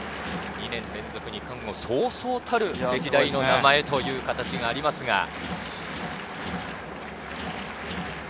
２年連続二冠もそうそうたる歴代の名前という形がありますが。